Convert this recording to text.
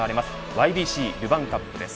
ＹＢＣルヴァンカップです。